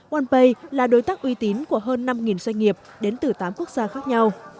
onpay là đối tác uy tín của hơn năm doanh nghiệp đến từ tám quốc gia khác nhau